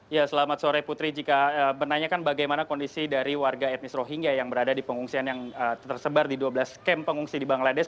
ya selamat sore putri jika menanyakan bagaimana kondisi dari warga etnis rohingya yang berada di pengungsian yang tersebar di dua belas kamp pengungsi di bangladesh